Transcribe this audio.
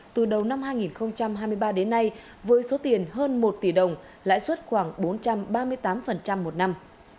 từ đầu năm hai nghìn hai mươi ba đến nay với số tiền hơn một tỷ đồng lãi suất khoảng bốn trăm ba mươi tám một năm